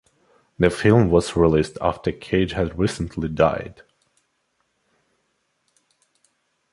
The film was released after Cage had recently died.